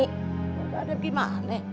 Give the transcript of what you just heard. enggak ada gimana